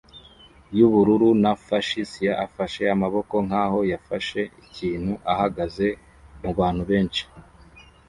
yubururu na fuchsia afashe amaboko nkaho yafashe ikintu ahagaze mubantu benshi